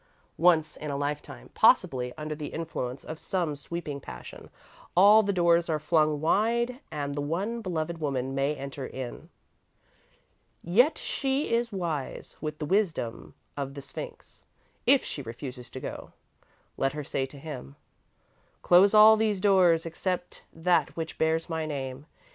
Once in a lifetime, possibly, under the influence of some sweeping passion, all the doors are flung wide and the one beloved woman may enter in. Yet she is wise, with the wisdom of the Sphinx, if she refuses to go. Let her say to him: "Close all these doors, except that which bears my name.